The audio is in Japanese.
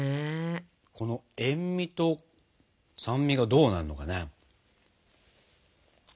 この塩味と酸味がどうなるのかね？